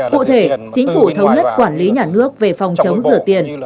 cụ thể chính phủ thống nhất quản lý nhà nước về phòng chống rửa tiền